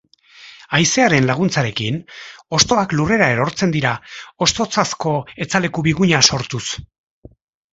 Haizearen laguntzarekin, hostoak lurrera erortzen dira, hostotzazko etzaleku biguna sortuz.